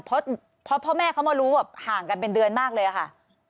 เพราะพ่อแม่เขามารู้แบบห่างกันเป็นเดือนมากเลยอะค่ะ